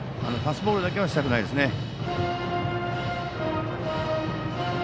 パスボールだけはしたくないですね。